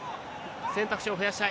選択肢を増やしたい。